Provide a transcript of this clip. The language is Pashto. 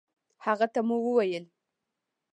هغه ته مو وويل